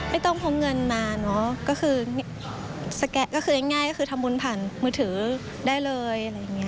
ไม่ต้องพลังเงินมาน่ะษแกะคือง่ายก็คือทำบุญผ่านเมือถือได้เลย